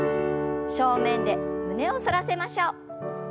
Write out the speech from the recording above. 正面で胸を反らせましょう。